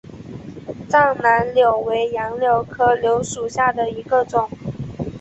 藏南柳为杨柳科柳属下的一个种。